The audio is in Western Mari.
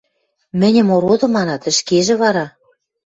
– Мӹньӹм ороды манат, ӹшкежӹ вара?